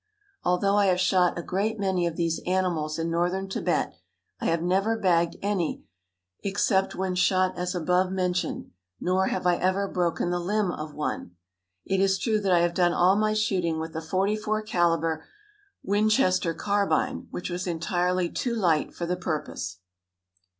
Although I have shot a great many of these animals in northern Tibet, I have never bagged any except when shot as above mentioned, nor have I ever broken the limb of one. It is true that I have done all my shooting with a .44 caliber Winchester carbine, which was entirely too light for the purpose.